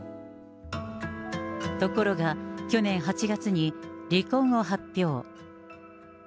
ところが、去年８月に離婚を発表。